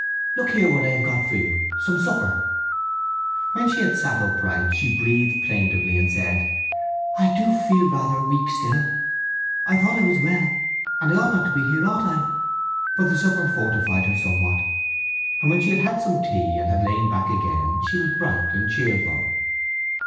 Look here, what I have got for you. Some supper." When she had sat upright she breathed plaintively and said, "I do feel rather weak still. I thought I was well; and I ought not to be here, ought I?" But the supper fortified her somewhat, and when she had had some tea and had lain back again she was bright and cheerful.